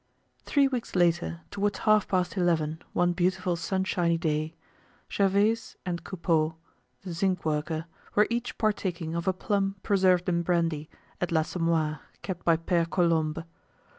Three weeks later, towards half past eleven, one beautiful sunshiny day, Gervaise and Coupeau, the zinc worker, were each partaking of a plum preserved in brandy, at "l'Assommoir" kept by Pere Colombe.